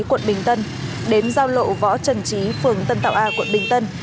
quận bình tân đến giao lộ võ trần trí phường tân tạo a quận bình tân